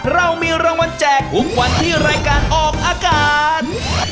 เรามีรางวัลแจกทุกวันที่รายการออกอากาศ